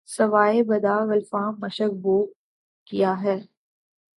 سوائے بادۂ گلفام مشک بو کیا ہے